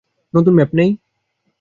নতুন ম্যাপ নেই?